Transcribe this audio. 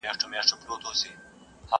هره ورځ دي په سرو اوښکو ډکوم بیا دي راوړمه؛؛!